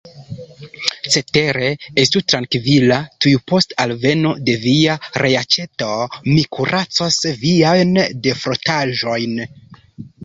Cetere, estu trankvila: tuj post alveno de via reaĉeto, mi kuracos viajn defrotaĵojn.